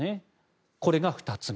これが２つ目。